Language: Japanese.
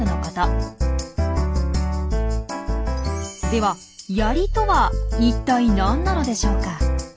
では「やり」とは一体何なのでしょうか？